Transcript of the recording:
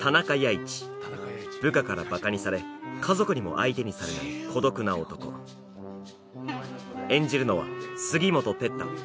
一部下からバカにされ家族にも相手にされない孤独な男演じるのは杉本哲太